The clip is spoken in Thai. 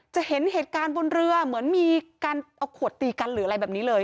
เห็นเหตุการณ์บนเรือเหมือนมีการเอาขวดตีกันหรืออะไรแบบนี้เลย